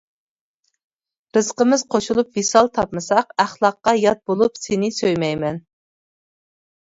رىزقىمىز قوشۇلۇپ ۋىسال تاپمىساق، ئەخلاققا يات بولۇپ سىنى سۆيمەيمەن.